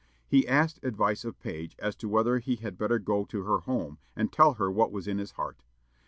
He asked advice of Page as to whether he had better go to her home and tell her what was in his heart.